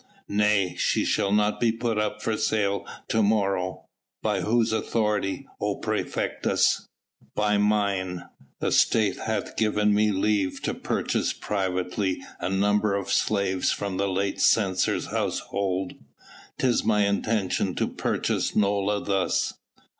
"Nay! she shall not be put up for sale to morrow." "By whose authority, O praefectus?" "By mine. The State hath given me leave to purchase privately a number of slaves from the late censor's household. 'Tis my intention to purchase Nola thus."